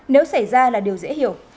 nếu xảy ra là điều dễ hiểu